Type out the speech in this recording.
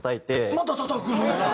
またたたくんですか！